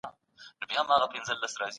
کاغذ او روښنایي د غالب د وخت ده.